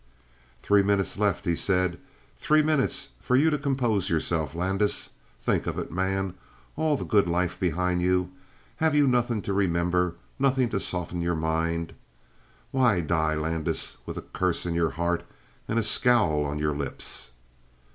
"Three minutes left," he said. "Three minutes for you to compose yourself, Landis. Think of it, man! All the good life behind you. Have you nothing to remember? Nothing to soften your mind? Why die, Landis, with a curse in your heart and a scowl on your lips?"